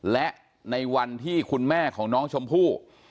และในวันที่คุณแม่ของน้องชมพู่